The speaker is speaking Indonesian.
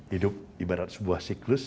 hidup ibarat sebuah siklus